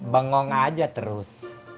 bengong aja terus